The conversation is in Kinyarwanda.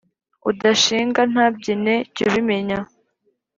Udashinga ntabyina jy’ubimenya